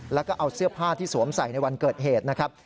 แล้วก็เอาเสื้อผ้าที่สวมใส่ในวันเกิดเหตุนะครับ